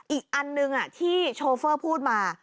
อีกอันหนึ่งที่โชเฟอร์พูดมา